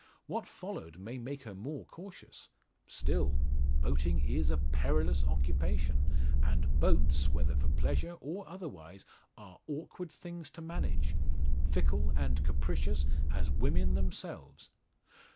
What followed may make her more cautious; still, boating is a perilous occupation, and boats, whether for pleasure or otherwise, are awkward things to manage fickle and capricious as women themselves.